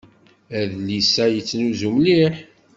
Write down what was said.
Adlis-a yettnuzu mliḥ.